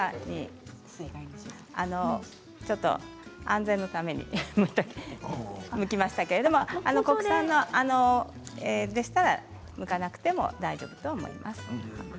ちょっと安全のためにむきましたけれど国産でしたら、むかなくても大丈夫だと思います。